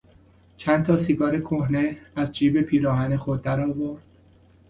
چند تا سیگار کهنه از جیب پیراهن خود در آورد.